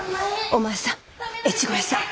お前さん越後屋さん。